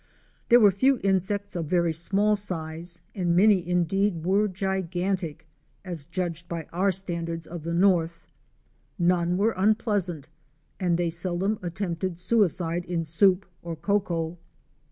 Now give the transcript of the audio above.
There were few insects of very small size and many indeed were gigantic, as judged by our standards of the north. None were unpleasant and they seldom attempted suicide in soup or cocoa.